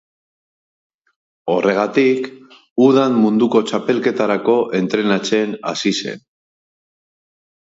Horregatik, udan munduko txapelketarako entrenatzen hasi zen.